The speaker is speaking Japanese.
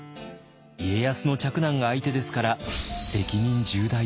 家康の嫡男が相手ですから責任重大です。